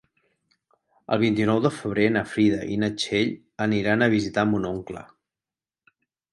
El vint-i-nou de febrer na Frida i na Txell aniran a visitar mon oncle.